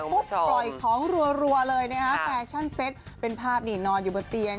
ปล่อยของรัวเลยนะฮะแฟชั่นเซ็ตเป็นภาพนี่นอนอยู่บนเตียง